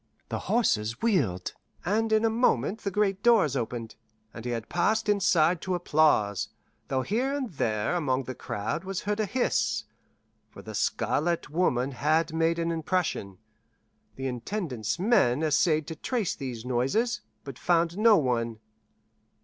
The horses wheeled, and in a moment the great doors opened, and he had passed inside to applause, though here and there among the crowd was heard a hiss, for the Scarlet Woman had made an impression. The Intendant's men essayed to trace these noises, but found no one.